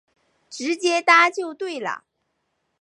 直接搭就对了